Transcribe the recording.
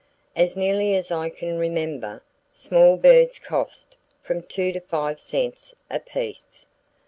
As nearly as I can remember, small birds cost from two to five cents apiece.